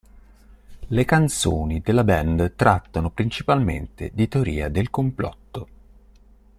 Le canzoni della band trattano principalmente di teoria del complotto.